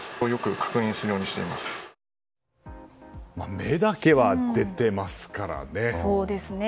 目だけは出てますからね。